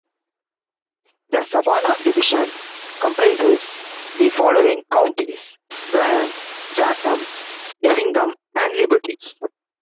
The Savannah Division comprises the following counties: Bryan, Chatham, Effingham, and Liberty.